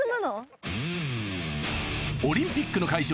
オリンピックの会場